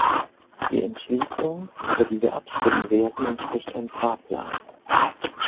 Die Entschließung, über die wir abstimmen werden, entspricht einem Fahrplan.